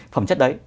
phẩm chất đấy